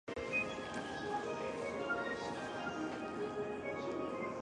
コーラ味の飴だった。不味い飴だった。